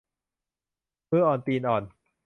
มืออ่อนตีนอ่อน